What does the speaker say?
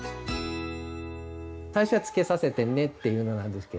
最初は「つけさせてね」っていうのなんですけど。